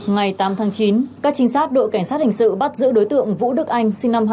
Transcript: ngày tám tháng chín các trinh sát đội cảnh sát hình sự bắt giữ đối tượng vũ đức anh sinh năm hai nghìn